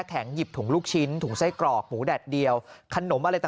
หยิบถุงลูกชิ้นถุงไส้กรอกหมูแดดเดียวขนมอะไรต่าง